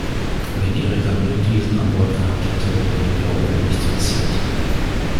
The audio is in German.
Wenn "Erika" Biodiesel an Bord gehabt hätte, wäre der Umwelt nichts passiert.